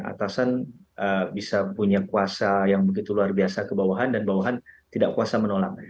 atasan bisa punya kuasa yang begitu luar biasa ke bawahan dan bawahan tidak kuasa menolak